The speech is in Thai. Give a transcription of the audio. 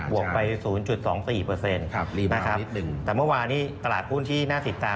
บวกไป๐๒๔นะครับแต่เมื่อวานี้ตลาดหุ้นที่หน้าสิตตาม